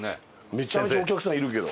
めちゃめちゃお客さんいるけど。